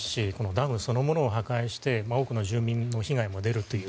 ダムそのものを破壊して多くの住民の被害も出るという。